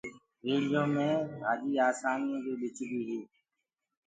ريڙهيو مي ڀآڃيٚ آسآنيٚ يو دي ٻڪديٚ هي۔